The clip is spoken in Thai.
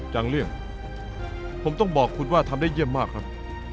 เรื่องผมต้องบอกคุณว่าทำได้เยี่ยมมากครับ